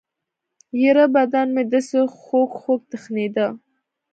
يره بدن مې دسې خوږخوږ تخنېده.